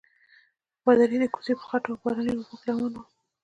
پادري د کوڅې په خټو او باراني اوبو کې روان وو.